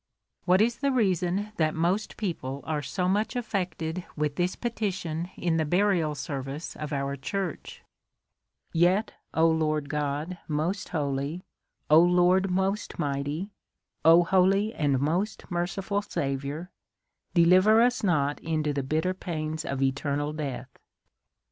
What is the reason that most people are so much aft'ected with this petition in the burial service of our church :'' Yet, O Lord God most holy, O Lord most mighty, O holy and most merciful Saviour, deliver us not into the bitter pains of eternal death?"